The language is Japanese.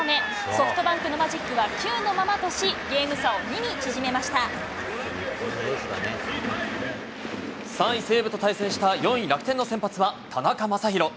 ソフトバンクのマジックは９のままとし、ゲーム差を２に縮めまし３位西武と対戦した４位楽天の先発は田中将大。